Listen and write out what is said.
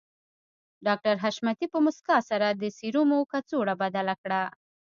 ډاکټر حشمتي په مسکا سره د سيرومو کڅوړه بدله کړه